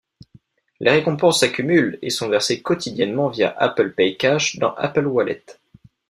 Les récompenses s'accumulent et sont versées quotidiennement via Apple Pay Cash dans Apple Wallet.